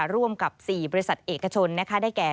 ร่วมกับ๔บริษัทเอกชนได้แก่